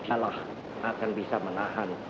allah akan bisa menahan